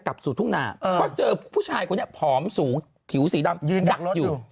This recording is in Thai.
กลับสู่ทุ่งนาก็เจอผู้ชายคนนี้ผอมสูงผิวสีดำยืนดักอยู่